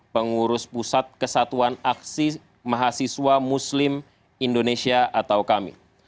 pengurus pusat kesatuan aksi mahasiswa muslim indonesia atau kami